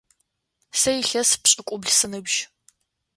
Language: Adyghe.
Сэ илъэс пшӏыкӏубл сыныбжь.